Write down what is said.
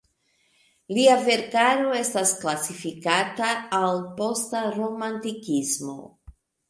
Lia verkaro estas klasifikata al posta romantikismo.